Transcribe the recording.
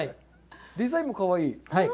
デザインもかわいい。